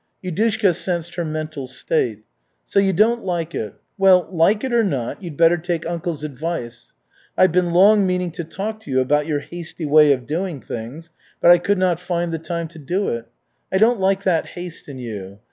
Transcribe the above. Yudushka sensed her mental state. "So, you don't like it? Well, like it or not, you'd better take uncle's advice. I've been long meaning to talk to you about your hasty way of doing things, but I could not find the time to do it. I don't like that haste in you.